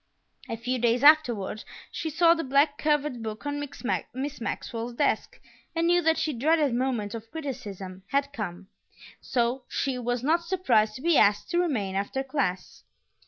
A few days afterward she saw the black covered book on Miss Maxwell's desk and knew that the dreaded moment of criticism had come, so she was not surprised to be asked to remain after class.